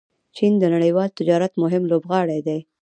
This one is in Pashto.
چین د نړیوال تجارت مهم لوبغاړی دی.